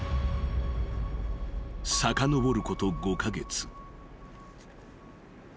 ［さかのぼること５カ月］